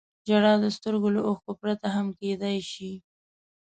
• ژړا د سترګو له اوښکو پرته هم کېدای شي.